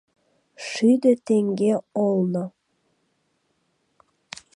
ШӰДӦ ТЕҤГЕ ОЛНО